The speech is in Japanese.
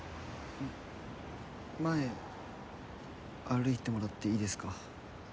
前歩いてもらっていいですか？